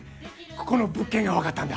ここの物件が分かったんだ。